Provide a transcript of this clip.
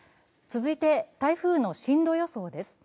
続いて台風の進路予想です。